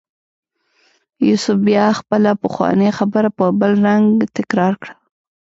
یوسف بیا خپله پخوانۍ خبره په بل رنګ تکرار کړه.